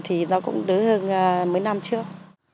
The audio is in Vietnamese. thì nó cũng đỡ hơn mấy năm trước